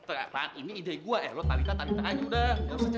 tengah pak ini ide gue eh lo tarik tarik aja udah